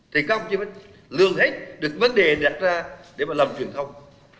thì các ông chí mới lường hết được vấn đề đặt ra để mà làm truyền thông